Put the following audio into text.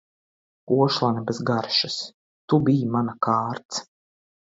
Košļene bez garšas. Tu biji mana kārts.